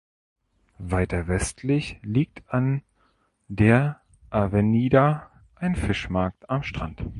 Weiter westlich liegt an der Avenida ein Fischmarkt am Strand.